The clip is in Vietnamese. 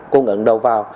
cung ứng đầu vào